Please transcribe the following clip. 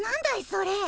それ。